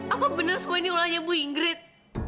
apa benar sko ini ulahnya bu ingrid